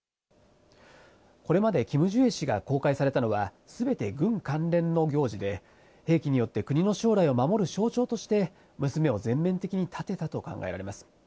これまで、キム・ジュエ氏が公開されたのは、すべて軍関連の行事で、兵器によって国の将来を守る象徴として、娘を全面的に立てたと考えられます。